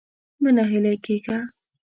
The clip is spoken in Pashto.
مه ناهيلی کېږه.